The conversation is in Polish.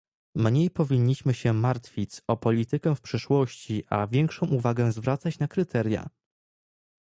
Mniej powinniśmy się martwic o politykę w przyszłości, a większą uwagę zwracać na kryteria